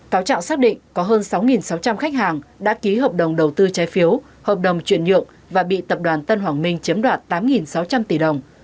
cáo trạng xác định có hơn sáu sáu trăm linh khách hàng đã ký hợp đồng đầu tư trái phiếu hợp đồng chuyển nhượng và bị tập đoàn tân hoàng minh chiếm đoạt tám sáu trăm linh tỷ đồng